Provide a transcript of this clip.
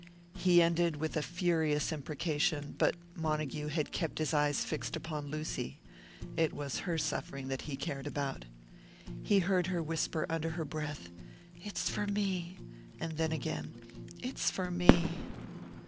He ended with a furious imprecation; but Montague had kept his eyes fixed upon Lucy. It was her suffering that he cared about. He heard her whisper, under her breath, "It's for me!" And then again, "It's for me!"